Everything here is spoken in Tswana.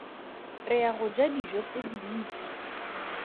Re ya go ja dijo tse dintsi.